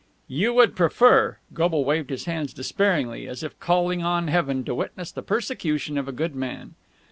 "You would prefer!" Mr. Goble waved his hands despairingly, as if calling on heaven to witness the persecution of a good man.